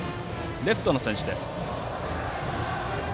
レフトの選手です。